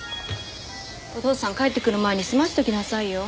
お父さん帰ってくる前に済ましときなさいよ。